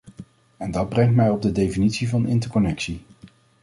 En dat brengt mij op de definitie van interconnectie.